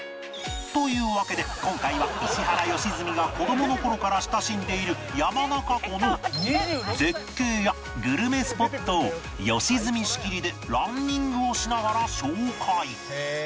というわけで今回は石原良純が子供の頃から親しんでいる山中湖の絶景やグルメスポットを良純仕切りでランニングをしながら紹介